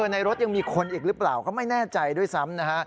ในรถยังมีคนอีกหรือเปล่าก็ไม่แน่ใจด้วยซ้ำนะฮะ